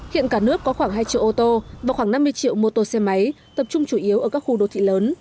hiện cả nước có khoảng hai triệu ô tô và khoảng năm mươi triệu mô tô xe máy tập trung chủ yếu ở các khu đô thị lớn